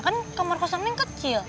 kan kamar kosong ini kecil